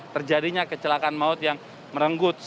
terjadinya kecelakaan maut yang merenggut